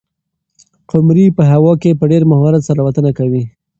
قمري په هوا کې په ډېر مهارت سره الوتنه کوي.